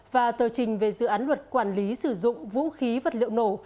và tờ trình về dự án luật quản lý sử dụng vũ khí vật liệu nổ